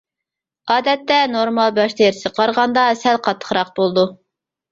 ئادەتتە نورمال باش تېرىسىگە قارىغاندا سەل قاتتىقراق بولىدۇ.